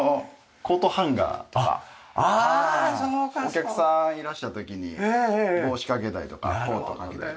お客さんいらした時に帽子掛けたりとかコート掛けたり。